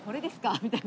みたいな。